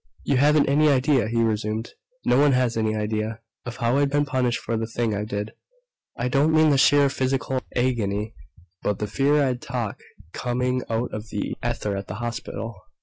"You haven't any idea," he resumed, "no one has any idea, of how I've been punished for the thing I did. I don't mean the sheer physical agony but the fear that I'd talk coming out of the ether at the hospital.